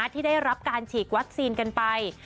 ที่ได้รับการฉีดวัคซีนกันไป